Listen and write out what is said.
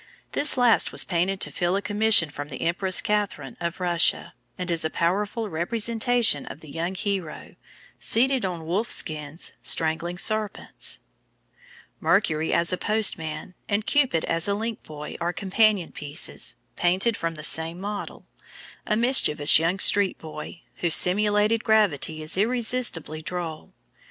This last was painted to fill a commission from the Empress Catherine of Russia, and is a powerful representation of the young hero, seated on wolf skins, strangling serpents. Mercury as a Postman and Cupid as a Link Boy are companion pieces, painted from the same model, a mischievous young street boy, whose simulated gravity is irresistibly droll.